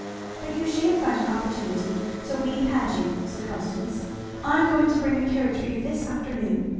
"But you sha'n't find an opportunity till we've had you," said Constance. "I'm going to bring a carriage for you this afternoon.